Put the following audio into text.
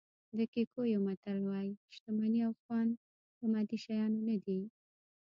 د کیکویو متل وایي شتمني او خوند په مادي شیانو نه دي.